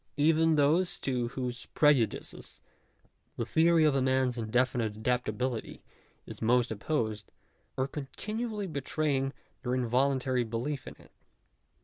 Even those to whose prejudices the theory of man's indefinite adaptability is most opposed, are continu ally betraying their involuntary belief in it.